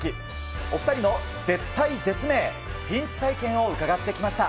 お２人の絶体絶命、ピンチ体験を伺ってきました。